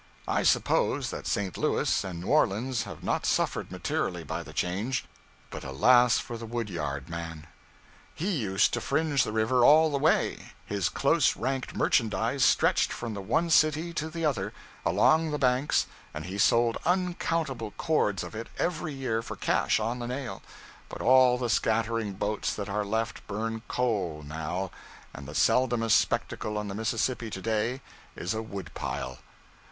I suppose that St. Louis and New Orleans have not suffered materially by the change, but alas for the wood yard man! He used to fringe the river all the way; his close ranked merchandise stretched from the one city to the other, along the banks, and he sold uncountable cords of it every year for cash on the nail; but all the scattering boats that are left burn coal now, and the seldomest spectacle on the Mississippi to day is a wood pile.